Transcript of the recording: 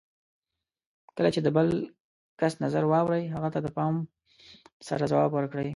کله چې د بل کس نظر واورئ، هغه ته د پام سره ځواب ورکړئ.